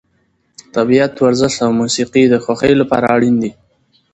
طبیعت، ورزش او موسیقي د خوښۍ لپاره اړین دي.